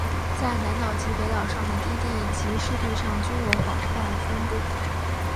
在南岛及北岛上的低地及湿地上均有广泛分布。